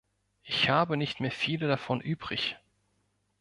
Ich habe nicht mehr viele davon übrig.